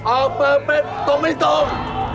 ออกเปอร์เฟรตตรงไม่ตรง